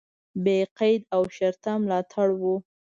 بې قید او شرطه ملاتړ و.